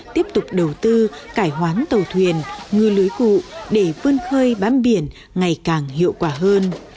tiếp tục đầu tư cải hoán tàu thuyền ngư lưới cụ để vươn khơi bám biển ngày càng hiệu quả hơn